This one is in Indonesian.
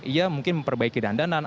ia mungkin memperbaiki dandanan